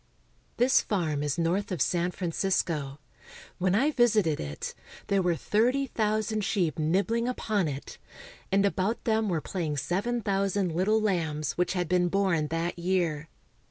This farm is north of San Francisco. When I visited it, there were thirty thousand sheep nibbling upon it, and about them were playing seven thousand little lambs which had been born that year.